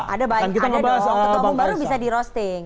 ada dong ketua bumbar bisa di roasting